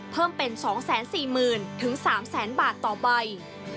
เพิ่มเป็น๒๔๐๐๐๓๐๐บาทต่อใบ